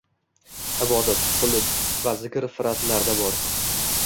Ibodat, qullik va zikr fitratlarida bor